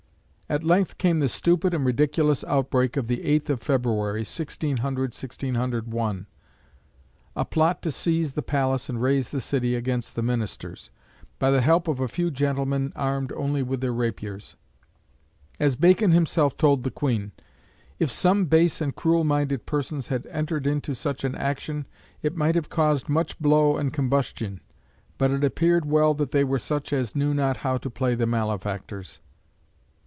At length came the stupid and ridiculous outbreak of the 8th of February, 1600/1601, a plot to seize the palace and raise the city against the ministers, by the help of a few gentlemen armed only with their rapiers. As Bacon himself told the Queen, "if some base and cruel minded persons had entered into such an action, it might have caused much blow and combustion; but it appeared well that they were such as knew not how to play the malefactors!"